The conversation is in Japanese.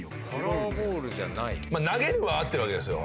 投げるは合ってるわけですよ。